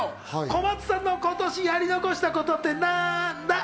小松さんの今年やり残したことってなんだ？